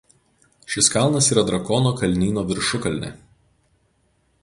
Šis kalnas yra Drakono kalnyno viršukalnė.